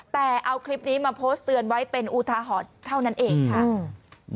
แต่เอาคลิปนี้มาโพสต์เตือนไว้เป็นอุทาหรณ์เท่านั้นเองค่ะ